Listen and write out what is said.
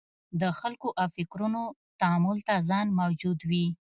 د خلکو او فکرونو تامل ته ځای موجود وي.